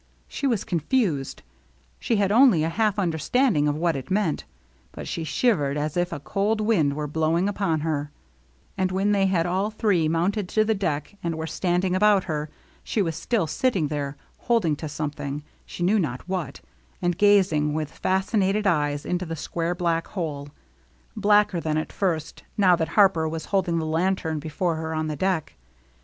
She was confused, she had only a half understand ing of what it meant, but she shivered as if a cold wind were blowing upon her ; and when they had all three mounted to the deck and were standing about her, she was still sitting there, holding to something, she knew not what, and gazing with fascinated eyes into the square black hole, — blacker than at first, now that Harper was holding the lantern before her on the deck.